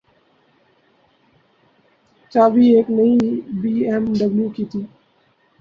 چابی ایک نئی بی ایم ڈبلیو کی تھی۔